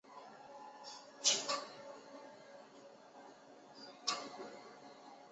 大陆议会也向新泽西州征召更多民兵戒备。